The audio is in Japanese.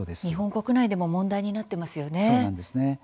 日本国内でも問題になっていますよね。